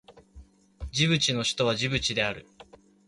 ジブチの首都はジブチである